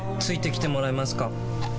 付いてきてもらえますか？